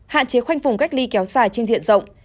hạn chế khoanh vùng cách ly kéo dài trên diện rộng